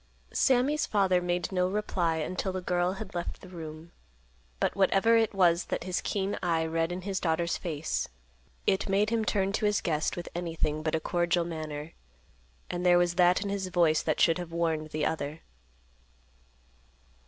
Sammy's father made no reply until the girl had left the room, but whatever it was that his keen eye read in his daughter's face, it made him turn to his guest with anything but a cordial manner, and there was that in his voice that should have warned the other.